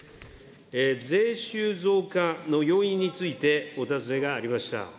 税収増加の要因についてお尋ねがありました。